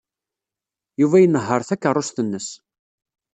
Yuba inehheṛ takeṛṛust-nnes.